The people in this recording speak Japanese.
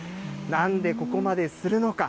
なんでここまでするのか。